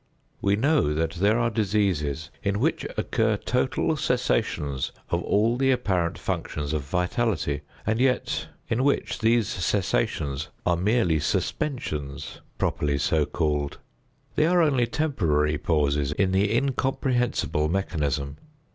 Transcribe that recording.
We know that there are diseases in which occur total cessations of all the apparent functions of vitality, and yet in which these cessations are merely suspensions, properly so called. They are only temporary pauses in the incomprehensible mechanism.